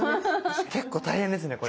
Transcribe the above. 結構大変ですねこれ。